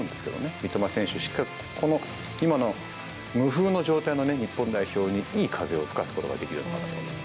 三笘選手しか、この今の無風の状態の日本代表に、いい風を吹かすことができると思います。